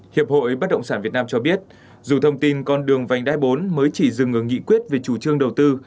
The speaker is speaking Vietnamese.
hiệp hội bất động sản việt nam cho biết dù thông tin con đường vành đai bốn mới chỉ dừng ở nghị quyết về chủ trương đầu tư